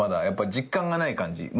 やっぱ実感がない感じ。